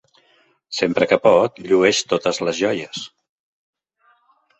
Sempre que pot llueix totes les joies.